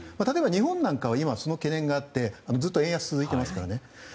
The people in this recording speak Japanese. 例えば日本では今、その懸念があってずっと円安が続いていますね。